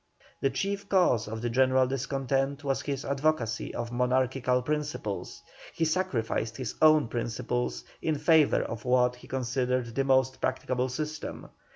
The chief cause of the general discontent was his advocacy of monarchical principles; he sacrificed his own principles in favour of what he considered the most practicable system.